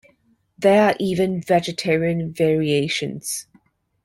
There are even vegetarian variations.